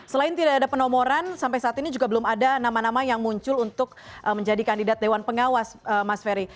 selain tidak ada penomoran sampai saat ini juga belum ada nama nama yang muncul untuk menjadi kandidat dewan pengawas mas ferry